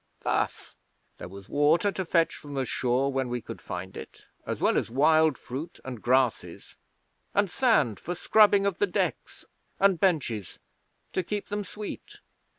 Thus. There was water to fetch from the shore when we could find it, as well as wild fruit and grasses, and sand for scrubbing of the decks and benches to keep them sweet.